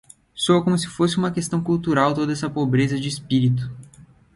Soa como se fosse uma questão cultural toda essa pobreza de espírito